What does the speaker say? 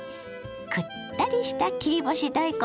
くったりした切り干し大根